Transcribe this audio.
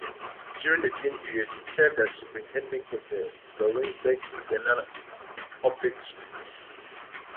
During the same period he served as superintendent of the Lawrenceburg, Indiana public schools.